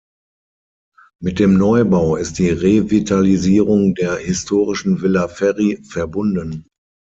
Mit dem Neubau ist die Revitalisierung der historischen Villa Ferry verbunden.